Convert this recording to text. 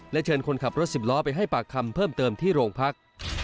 เชิญคนขับรถสิบล้อไปให้ปากคำเพิ่มเติมที่โรงพัก